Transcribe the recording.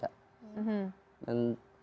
dan kita pasti selalu latihan untuk menunggu